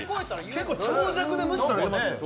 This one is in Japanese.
結構、長尺で無視されてましたけど。